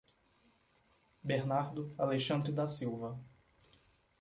Bernardo Alexandre da Silva